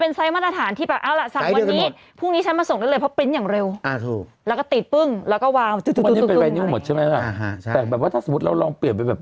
เพราะว่าฝั่งทางเดินของคนมันถี่มาด้วย